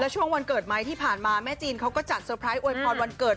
ช่วงวันเกิดไหมที่ผ่านมาแม่จีนเขาก็จัดเตอร์ไพรส์อวยพรวันเกิด